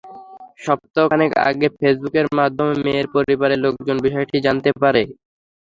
সপ্তাহ খানেক আগে ফেসবুকের মাধ্যমে মেয়ের পরিবারের লোকজন বিষয়টি জানতে পারে।